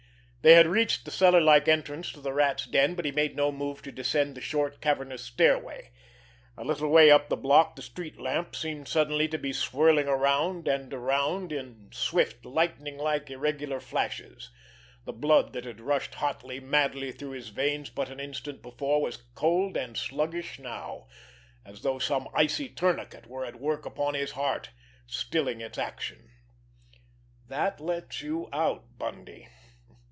They had reached the cellarlike entrance to the Rat's den, but he made no move to descend the short, cavernous stairway. A little way up the block the street lamp seemed suddenly to be swirling around and around in swift, lightning like irregular flashes. The blood that had rushed hotly, madly through his veins but an instant before was cold and sluggish now, as though some icy tourniquet were at work upon his heart, stilling its action. "That lets you out, Bundy."